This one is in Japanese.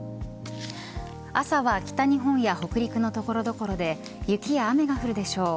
朝は北日本や北陸の所々で雪や雨が降るでしょう。